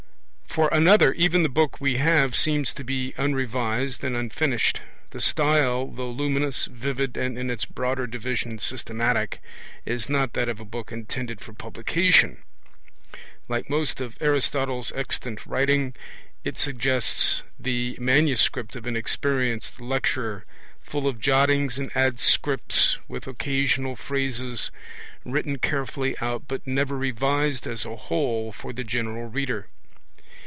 For another, even the book we have seems to be unrevised and unfinished. The style, though luminous, vivid, and in its broader division systematic, is not that of a book intended for publication. Like most of Aristotle's extant writing, it suggests the MS. of an experienced lecturer, full of jottings and adscripts, with occasional phrases written carefully out, but never revised as a whole for the general reader.